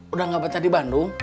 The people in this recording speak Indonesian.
udah gak betah di bandung